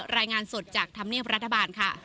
รายงานสดจากธรรมเนียบรัฐบาลค่ะ